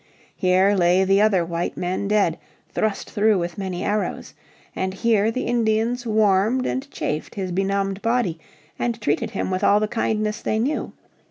Here lay the other white men dead, thrust through with many arrows. And here the Indians warmed and chafed his benumbed body, and treated him with all the kindness they knew.